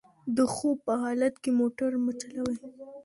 د خوب په حالت کې موټر مه چلوئ.